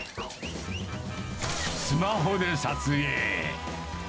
スマホで撮影。